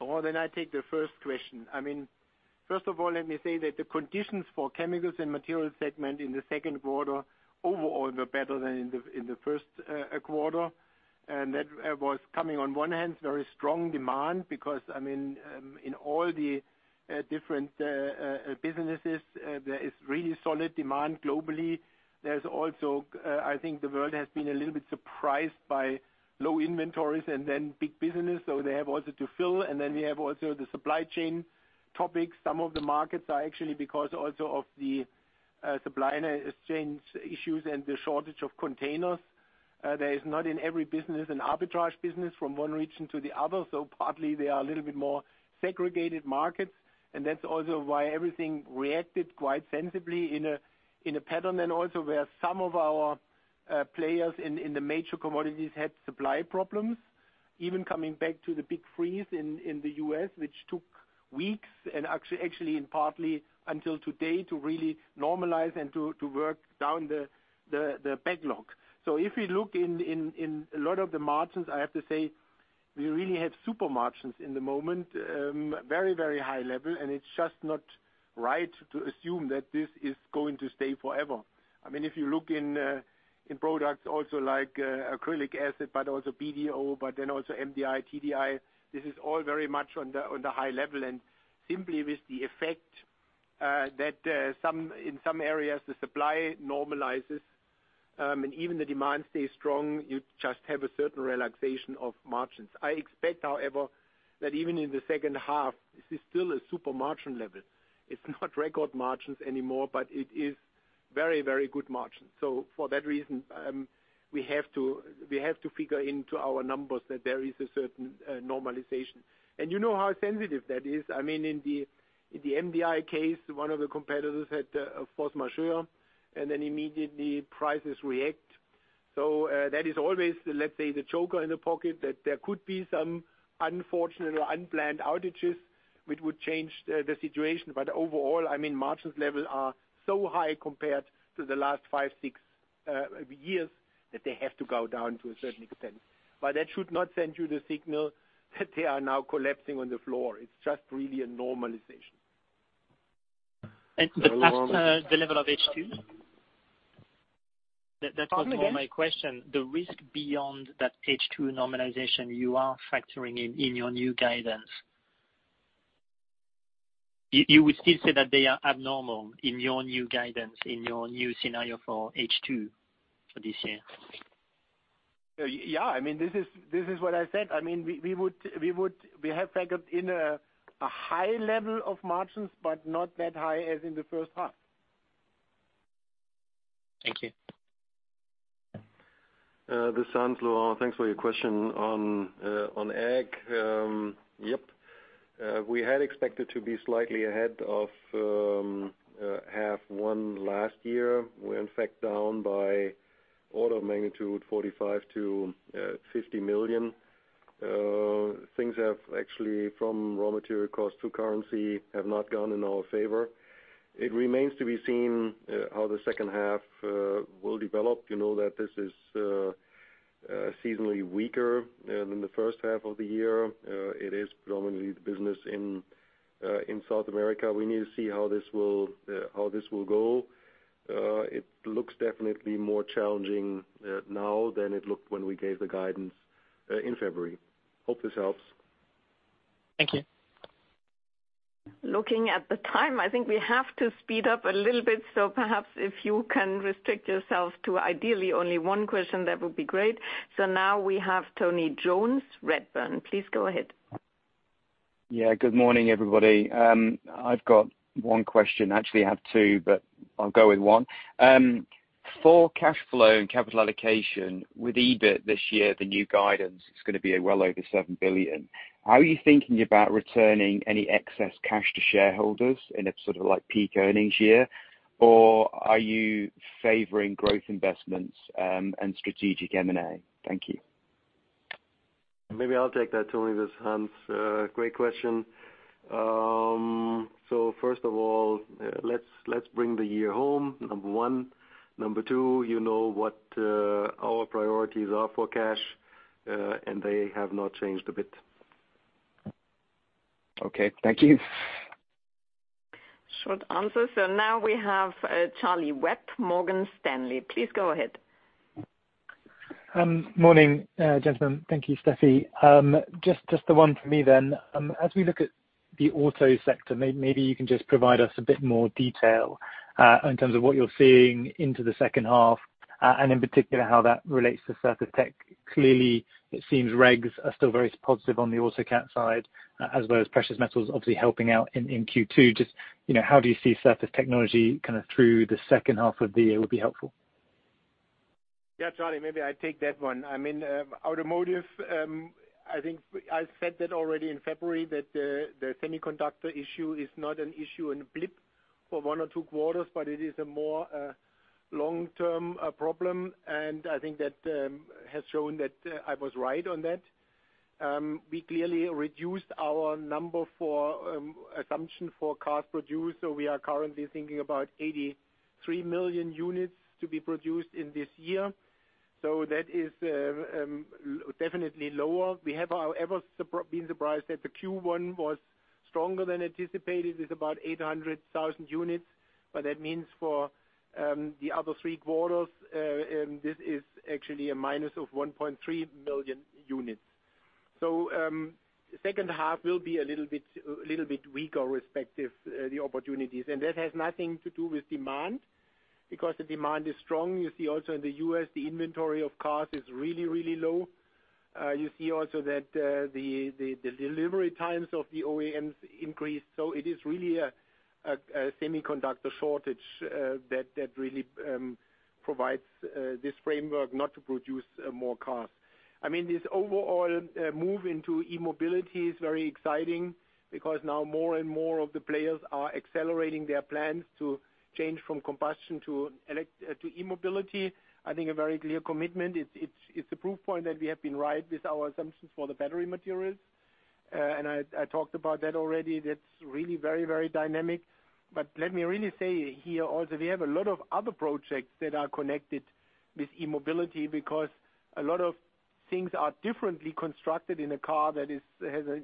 Laurent, I take the first question. First of all, let me say that the conditions for chemicals and materials segment in the second quarter overall were better than in the first quarter. That was coming on one hand, very strong demand because in all the different businesses, there is really solid demand globally. There's also, I think the world has been a little bit surprised by low inventories and then big business, they have also to fill. We have also the supply chain topic. Some of the markets are actually because also of the supply chain issues and the shortage of containers, there is not in every business an arbitrage business from one region to the other. Partly they are a little bit more segregated markets, that's also why everything reacted quite sensibly in a pattern. Also where some of our players in the major commodities had supply problems, even coming back to the big freeze in the U.S., which took weeks actually partly until today to really normalize and to work down the backlog. If we look in a lot of the margins, I have to say we really have super margins in the moment. Very high level, and it's just not right to assume that this is going to stay forever. If you look in products also like acrylic acid, but also BDO, but then also MDI, TDI, this is all very much on the high level. Simply with the effect that in some areas the supply normalizes, and even the demand stays strong, you just have a certain relaxation of margins. I expect, however, that even in the second half, this is still a super margin level. It's not record margins anymore, it is very good margin. For that reason, we have to figure into our numbers that there is a certain normalization. You know how sensitive that is. In the MDI case, one of the competitors had a force majeure, immediately prices react. That is always, let's say, the choker in the pocket that there could be some unfortunate or unplanned outages which would change the situation. Overall, margins level are so high compared to the last five, six years that they have to go down to a certain extent. That should not send you the signal that they are now collapsing on the floor. It's just really a normalization. The past, the level of H2? Pardon again? That was more my question. The risk beyond that H2 normalization you are factoring in in your new guidance. You would still say that they are abnormal in your new guidance, in your new scenario for H2 for this year? Yeah. This is what I said. We have factored in a high level of margins, but not that high as in the first half. Thank you. This is Hans, Laurent. Thanks for your question on Ag. Yep. We had expected to be slightly ahead of half one last year. We're in fact down by order of magnitude 45 million-50 million. Things have actually, from raw material cost to currency, have not gone in our favor. It remains to be seen how the second half will develop. You know that this is seasonally weaker than the first half of the year. It is predominantly the business in South America. We need to see how this will go. It looks definitely more challenging now than it looked when we gave the guidance in February. Hope this helps. Thank you. Looking at the time, I think we have to speed up a little bit. Perhaps if you can restrict yourselves to ideally only one question, that would be great. Now we have Tony Jones, Redburn. Please go ahead. Yeah. Good morning, everybody. I've got one question. Actually, I have two, but I'll go with one. For cash flow and capital allocation with EBIT this year, the new guidance is going to be well over 7 billion. How are you thinking about returning any excess cash to shareholders in a sort of peak earnings year, or are you favoring growth investments, and strategic M&A? Thank you. Maybe I'll take that, Tony. This is Hans. Great question. First of all, let's bring the year home, number one. Number two, you know what our priorities are for cash, and they have not changed a bit. Okay. Thank you. Short answer. Now we have, Charlie Webb, Morgan Stanley. Please go ahead. Morning, gentlemen. Thank you, Steffi. Just the one from me. As we look at the auto sector, maybe you can just provide us a bit more detail, in terms of what you're seeing into the second half, and in particular how that relates to surface tech. Clearly, it seems regs are still very positive on the auto cat side, as well as precious metals obviously helping out in Q2. Just how do you see surface technology kind of through the second half of the year would be helpful. Charlie, maybe I take that one. Automotive, I think I said that already in February that the semiconductor issue is not an issue and a blip for one or two quarters, but it is a more long-term problem. I think that has shown that I was right on that. We clearly reduced our number for assumption for cars produced. We are currently thinking about 83 million units to be produced in this year. That is definitely lower. We have, however, been surprised that the Q1 was stronger than anticipated with about 800,000 units. That means for the other three quarters, this is actually a minus of 1.3 million units. Second half will be a little bit weaker respective the opportunities. That has nothing to do with demand, because the demand is strong. You see also in the U.S., the inventory of cars is really low. You see also that the delivery times of the OEMs increased. It is really a semiconductor shortage that really provides this framework not to produce more cars. This overall move into e-mobility is very exciting because now more and more of the players are accelerating their plans to change from combustion to e-mobility. I think a very clear commitment. It's a proof point that we have been right with our assumptions for the battery materials. I talked about that already. That's really very dynamic. Let me really say here also, we have a lot of other projects that are connected with e-mobility because a lot of things are differently constructed in a car that has an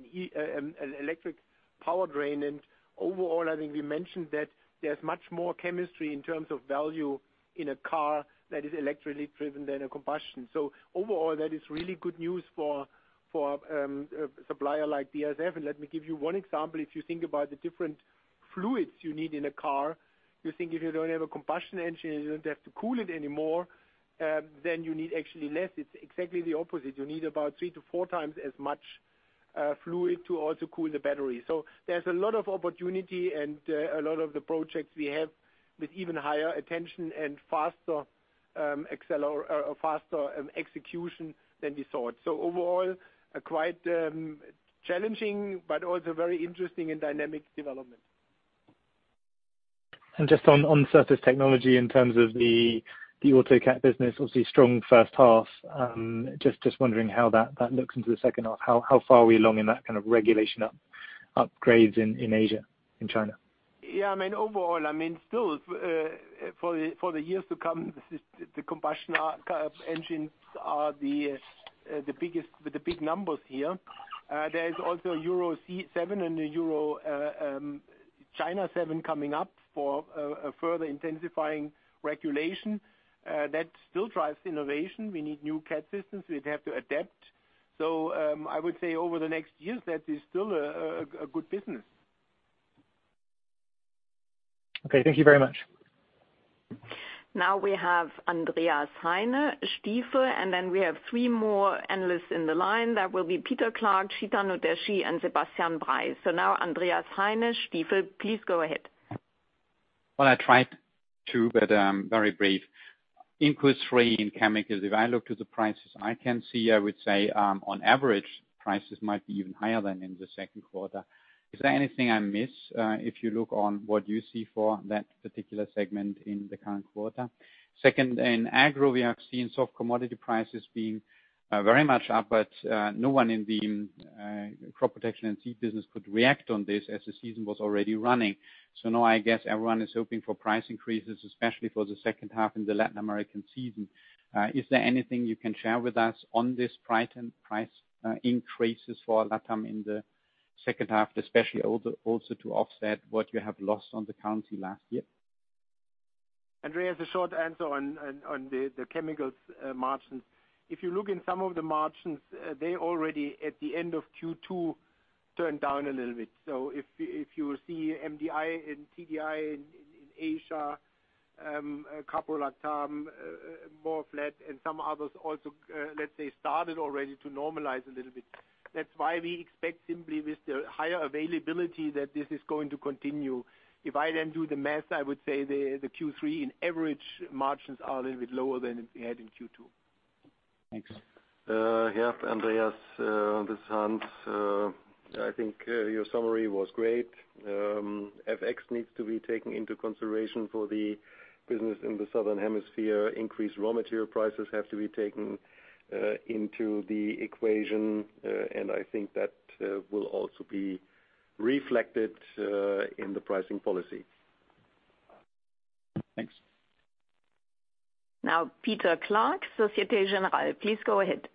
electric power drain. Overall, I think we mentioned that there's much more chemistry in terms of value in a car that is electrically driven than a combustion. Overall, that is really good news for a supplier like BASF. Let me give you one example. If you think about the different fluids you need in a car, you think if you don't have a combustion engine, you don't have to cool it anymore, then you need actually less. It's exactly the opposite. You need about 3x to 4x as much fluid to also cool the battery. There's a lot of opportunity and a lot of the projects we have with even higher attention and faster execution than we thought. Overall, quite challenging, but also very interesting and dynamic development. Just on surface technology in terms of the auto cat business, obviously strong first half. Just wondering how that looks into the second half. How far are we along in that kind of regulation upgrades in Asia, in China? Yeah. Overall, still, for the years to come, the combustion engines are the big numbers here. There is also Euro 7 and the China 7 coming up for a further intensifying regulation. That still drives innovation. We need new cat systems. We'd have to adapt. I would say over the next years, that is still a good business. Okay. Thank you very much. We have Andreas Heine, Stifel, and then we have three more analysts in the line. That will be Peter Clark, Chetan Udeshi, and Sebastian Bray. So now, Andreas Heine, Stifel. Please go ahead. Well, I tried to, but very brief. In Q3, in chemicals, if I look to the prices, I can see, I would say, on average, prices might be even higher than in the second quarter. Is there anything I miss, if you look on what you see for that particular segment in the current quarter? Second, in agro, we have seen soft commodity prices being very much up, but no one in the crop protection and seed business could react on this as the season was already running. Now I guess everyone is hoping for price increases, especially for the second half in the Latin American season. Is there anything you can share with us on this price increases for LATAM in the Second half, especially also to offset what you have lost on the currency last year. Andreas, a short answer on the chemicals margins. If you look in some of the margins, they already, at the end of Q2, turned down a little bit. If you see MDI and TDI in Asia, a caprolactam more flat and some others also, let's say, started already to normalize a little bit. We expect simply with the higher availability that this is going to continue. I would say the Q3 in average margins are a little bit lower than we had in Q2. Thanks. Yeah, Andreas. This is Hans. I think your summary was great. FX needs to be taken into consideration for the business in the southern hemisphere. Increased raw material prices have to be taken into the equation. I think that will also be reflected in the pricing policy. Thanks. Now, Peter Clark, Société Générale. Please go ahead.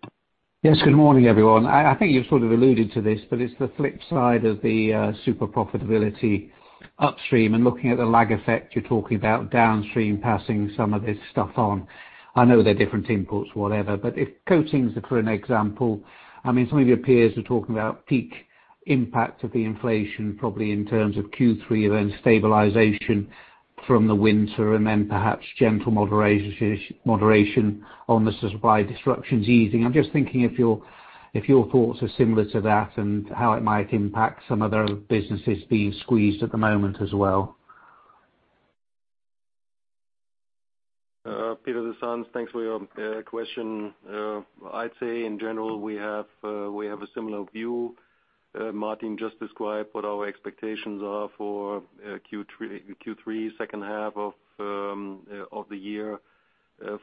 Yes, good morning, everyone. I think you've sort of alluded to this, but it's the flip side of the super profitability upstream and looking at the lag effect you're talking about downstream passing some of this stuff on. I know they're different inputs, whatever. If coatings are for an example, some of your peers are talking about peak impact of the inflation probably in terms of Q3, then stabilization from the winter and then perhaps gentle moderation on the supply disruptions easing. I'm just thinking if your thoughts are similar to that and how it might impact some other businesses being squeezed at the moment as well. Peter, this is Hans. Thanks for your question. I'd say, in general, we have a similar view. Martin just described what our expectations are for Q3, second half of the year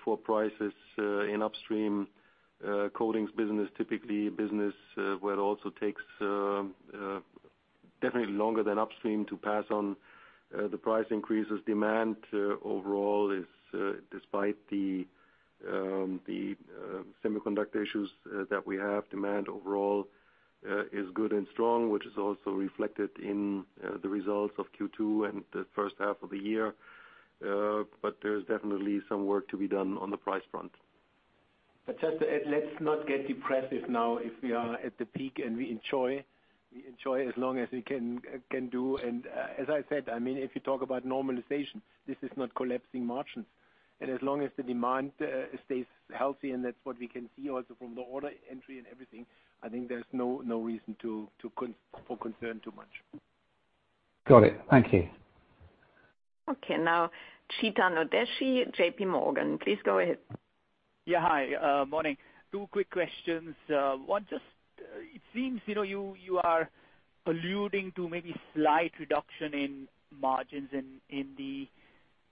for prices in upstream. Coatings business, typically a business where it also takes definitely longer than upstream to pass on the price increases. Despite the semiconductor issues that we have, demand overall is good and strong, which is also reflected in the results of Q2 and the first half of the year. There's definitely some work to be done on the price front. Just to add, let's not get depressive now if we are at the peak and we enjoy as long as we can do. As I said, if you talk about normalization, this is not collapsing margins. As long as the demand stays healthy, and that's what we can see also from the order entry and everything, I think there's no reason for concern too much. Got it. Thank you. Okay, now Chetan Udeshi, J.P. Morgan. Please go ahead. Yeah, hi. Morning. Two quick questions. One just, it seems you are alluding to maybe slight reduction in margins in the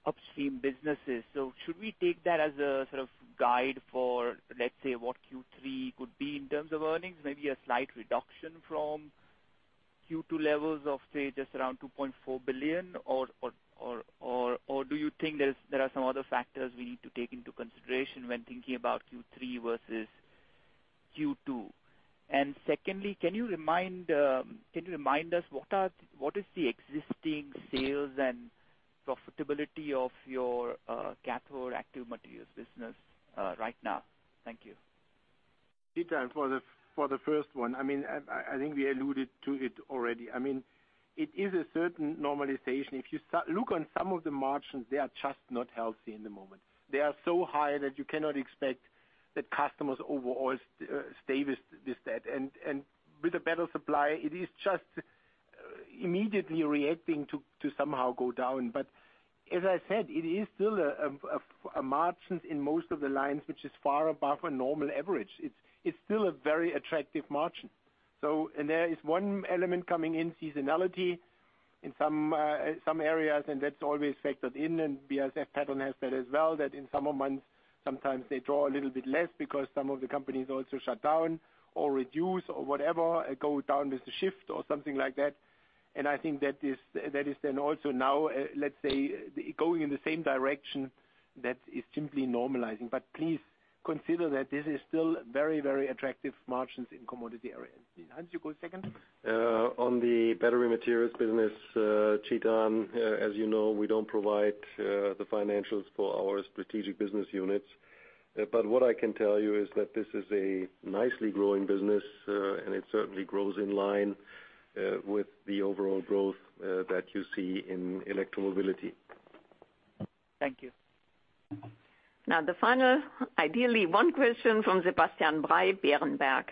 upstream businesses. Should we take that as a sort of guide for, let's say, what Q3 could be in terms of earnings? Maybe a slight reduction from Q2 levels of, say, just around 2.4 billion? Do you think there are some other factors we need to take into consideration when thinking about Q3 versus Q2? Secondly, can you remind us what is the existing sales and profitability of your cathode active materials business right now? Thank you. Chetan, for the first one, I think we alluded to it already. It is a certain normalization. If you look on some of the margins, they are just not healthy in the moment. They are so high that you cannot expect that customers overall stay with that. With a better supply, it is just immediately reacting to somehow go down. As I said, it is still margins in most of the lines, which is far above a normal average. It's still a very attractive margin. There is one element coming in, seasonality in some areas, and that's always factored in. BASF pattern has that as well, that in summer months, sometimes they draw a little bit less because some of the companies also shut down or reduce or whatever, go down with the shift or something like that. I think that is then also now, let's say, going in the same direction that is simply normalizing. Please consider that this is still very attractive margins in commodity areas. Hans, you go second. On the battery materials business, Chetan, as you know, we don't provide the financials for our strategic business units. What I can tell you is that this is a nicely growing business, and it certainly grows in line with the overall growth that you see in electromobility. Thank you. Now, the final, ideally one question from Sebastian Bray, Berenberg.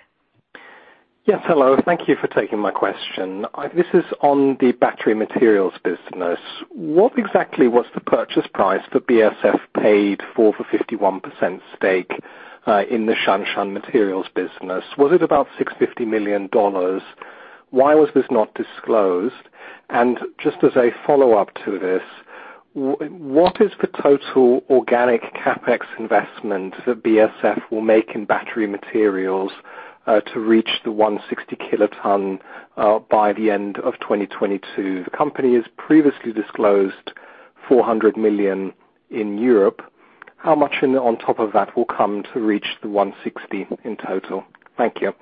Yes, hello. Thank you for taking my question. This is on the battery materials business. What exactly was the purchase price that BASF paid for the 51% stake in the Shanshan materials business? Was it about $650 million? Why was this not disclosed? Just as a follow-up to this, what is the total organic CapEx investment that BASF will make in battery materials to reach the 160 kiloton by the end of 2022? The company has previously disclosed 400 million in Europe. How much on top of that will come to reach the 160 in total? Thank you.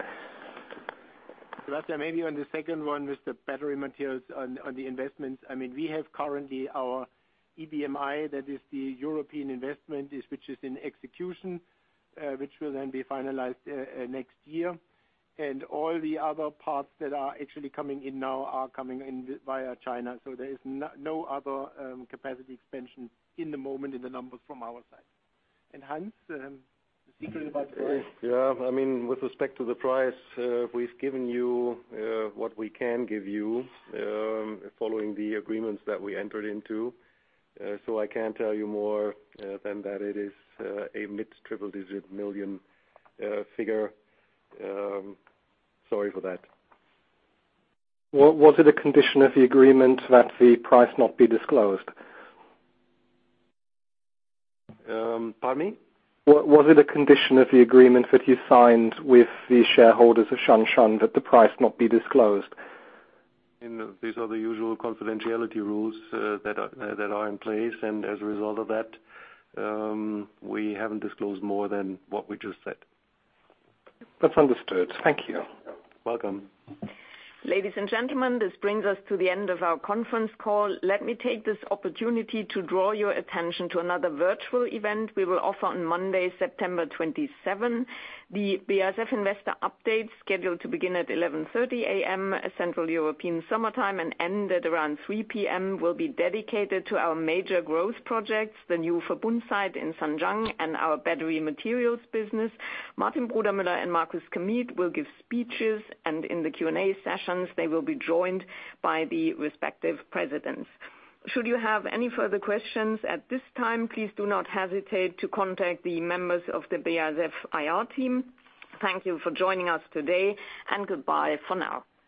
Sebastian, maybe on the second one, with the battery materials on the investments. We have currently our EBMI, that is the European investment, which is in execution, which will then be finalized next year. All the other parts that are actually coming in now are coming in via China. There is no other capacity expansion in the moment in the numbers from our side. Hans, the secret about the price. Yeah. With respect to the price, we've given you what we can give you, following the agreements that we entered into. I can't tell you more than that it is a mid triple digit million figure. Sorry for that. Was it a condition of the agreement that the price not be disclosed? Pardon me? Was it a condition of the agreement that you signed with the shareholders of Shanshan that the price not be disclosed? These are the usual confidentiality rules that are in place and as a result of that, we haven't disclosed more than what we just said. That's understood. Thank you. Welcome. Ladies and gentlemen, this brings us to the end of our conference call. Let me take this opportunity to draw your attention to another virtual event we will offer on Monday, September 27. The BASF Investor Update, scheduled to begin at 11:30 A.M., Central European summertime, and end at around 3:00 P.M., will be dedicated to our major growth projects, the new Verbund site in Zhanjiang and our battery materials business. Martin Brudermüller and Markus Kamieth will give speeches, and in the Q&A sessions, they will be joined by the respective presidents. Should you have any further questions at this time, please do not hesitate to contact the members of the BASF IR team. Thank you for joining us today, and goodbye for now.